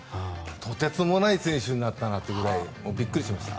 とてつもない選手になったなというぐらいびっくりしました。